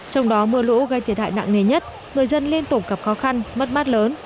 trong đó mưa lũ gây thiệt hại nặng nề nhất người dân liên tục gặp khó khăn mất mát lớn